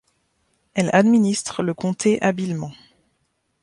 Elle administre le comté habilement.